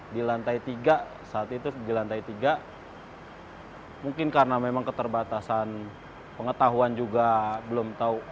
di lantai tiga saat itu di lantai tiga mungkin karena memang keterbatasan pengetahuan juga belum tahu